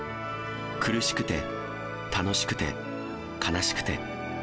苦しくて、楽しくて、悲しくて。